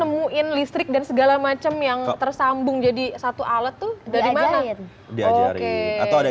nemuin listrik dan segala macam yang tersambung jadi satu alat tuh dari mana oke